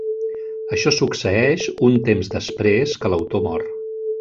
Això succeeix un temps després que l'autor mor.